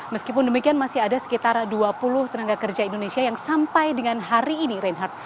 meskipun demikian masih ada sekitar dua puluh tenaga kerja indonesia yang sampai dengan hari ini reinhardt